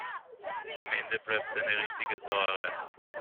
Am Ende bleibt eine riesige Sauerei.